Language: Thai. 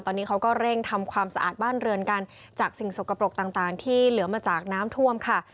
ตอนนี้เขาก็เร่งทำความสะอาดบ้านเรือนกันจากสิ่งสกปรกต่างที่เหลือมาจากน้ำท่วมค่ะ